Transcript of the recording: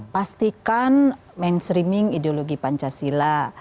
pastikan mainstreaming ideologi pancasila